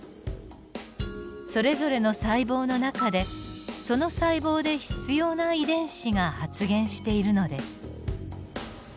それぞれの細胞の中でその細胞で必要な遺伝子が発現しているのです。